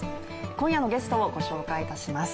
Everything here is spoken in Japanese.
今夜のゲストをご紹介いたします。